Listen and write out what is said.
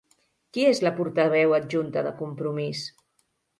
Qui és la portaveu adjunta de Compromís?